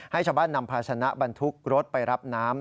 ให้ชาวบ้านนำพาชนะบรรทุกรถไปรับน้ำ